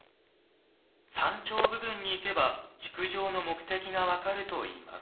山頂部分に行けば築城の目的が分かるといいます。